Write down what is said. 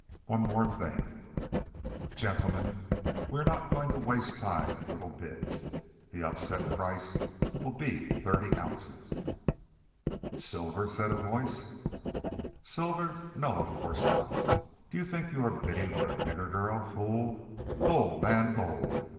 One more thing, gentlemen: we are not going to waste time in little bids; the upset price will be thirty ounces." "Silver?" said a voice. "Silver? No, of course not. Do you think you are bidding for a nigger girl, fool? Gold, man, gold!